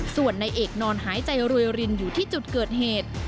ส่วนนายเอกนอนหายใจรวยรินอยู่ที่จุดเกิดเหตุ